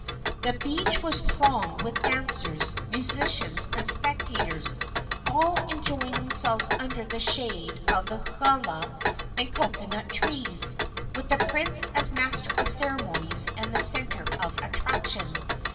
The beach was thronged with dancers, musicians and spectators, all enjoying themselves under the shade of the hala and cocoa trees, with the prince as master of ceremonies and the centre of attraction.